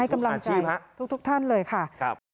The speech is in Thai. กำลังใจทุกท่านเลยค่ะ